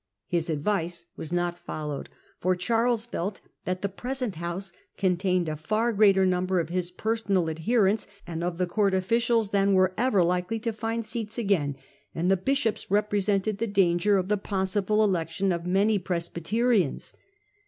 His advice was not followed, for Charles felt that the present House contained a far larger number of his personal adherents and of the court officials than were ever likely to find seats again, and the bishops represented the danger of the possible election of many Presbyterians.